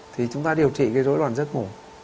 thì chúng ta điều trị cái dối loạn giấc ngủ